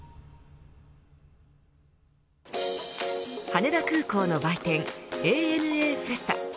羽田空港の売店ＡＮＡフェスタ